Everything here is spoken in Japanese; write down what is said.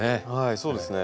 そうですね。